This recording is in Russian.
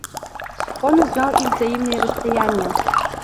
Он узнал их взаимные расстояния.